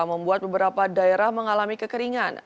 membuat beberapa daerah mengalami kekeringan